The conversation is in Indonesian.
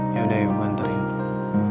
yaudah yuk gue anterin